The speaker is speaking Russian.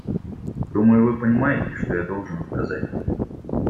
Думаю, вы понимаете, что я должен отказать.